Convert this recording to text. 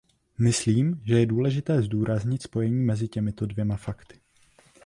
Myslím, že je důležité zdůraznit spojení mezi těmito dvěma fakty.